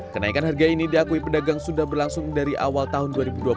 kenaikan harga ini diakui pedagang sudah berlangsung dari awal tahun dua ribu dua puluh